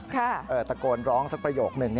ตะโกนร้องสักประโยคนึง